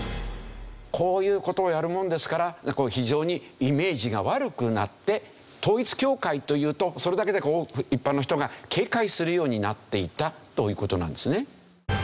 こういう事をやるもんですから非常にイメージが悪くなって統一教会というとそれだけで一般の人が警戒するようになっていたという事なんですね。